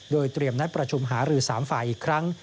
โดยเตรียมนัดประชุมหารือ๓ฝ่ายอีกครั้ง